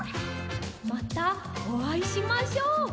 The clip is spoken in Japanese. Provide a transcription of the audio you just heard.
またおあいしましょう！